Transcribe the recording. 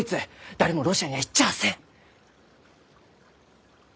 誰もロシアには行っちゃあせん！